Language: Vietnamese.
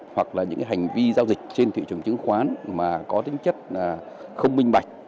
hoặc là những hành vi giao dịch trên thị trường chứng khoán mà có tính chất không minh bạch